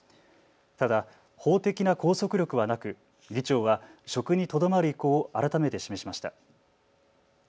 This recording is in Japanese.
ただ法的な拘束力はなく議長は職にとどまる意向を改めて示しました。